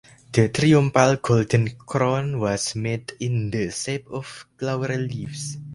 The triumphal golden crown was made in the shape of laurel leaves.